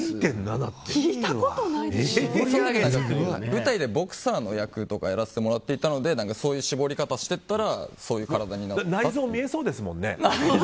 舞台でボクサーの役とかやらせてもらっていたのでそういう絞り方していったらそういう体になったっていう。